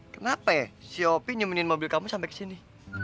kenapa ya si opi nyemenin mobil kamu sampai ke sini